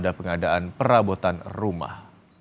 ada pengadaan perabotan rumah